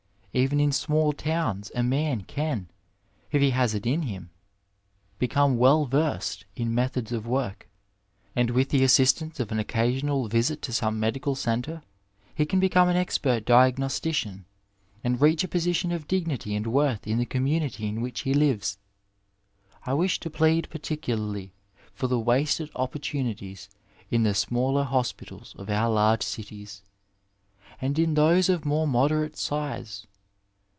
Even in small towns a man can, if he has it in him, become well versed in methods of work, and with the assistance of an occasional visit to some medical centre he can become an expert diagnostician and reach a position of dignity and worth in the community in which he lives. I wish to plead particularly for the wasted opportunities in the smaller hospitals of our large cities, and in those of more moderate size.